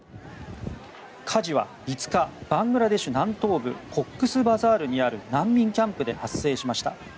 火事は５日バングラデシュ南東部コックスバザールにある難民キャンプで発生しました。